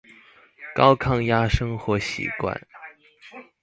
高抗壓生活習慣